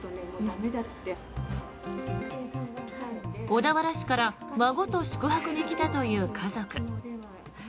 小田原市から孫と宿泊に来たという家族。